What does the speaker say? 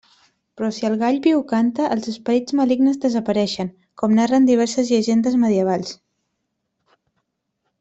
Però si el gall viu canta, els esperits malignes desapareixen, com narren diverses llegendes medievals.